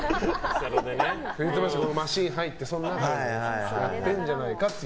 マシンに入ってその中でやってるんじゃないかって。